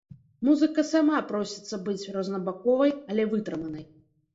Музыка сама просіцца быць рознабаковай, але вытрыманай.